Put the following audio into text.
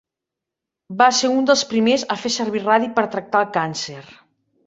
Va ser un dels primers a fer servir radi per tractar el càncer.